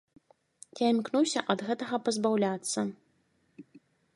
Я імкнуся ад гэтага пазбаўляцца.